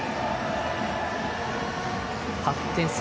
８点差。